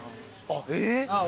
えっ？